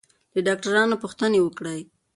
له ډاکټرانو پوښتنې وکړئ.